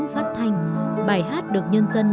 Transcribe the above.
phát thành bài hát được nhân dân